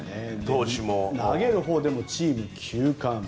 投げるほうもチーム９冠。